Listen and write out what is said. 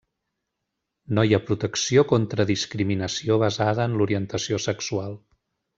No hi ha protecció contra discriminació basada en l'orientació sexual.